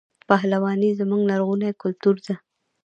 پهلواني زموږ لرغونی کلتور دی.